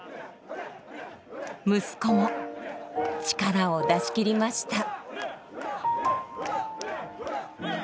息子も力を出し切りました。